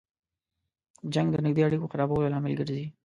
جنګ د نږدې اړیکو خرابولو لامل ګرځي.